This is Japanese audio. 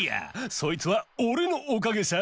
そいつはオレのおかげさ！